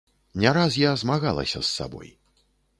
Не раз я змагалася з сабой.